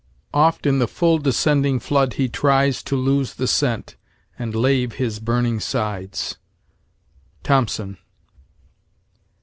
"Oft in the full descending flood he tries To lose the scent, and lave his burning sides." Thomson.